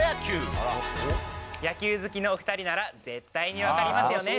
野球好きのお２人なら絶対に分かりますよね。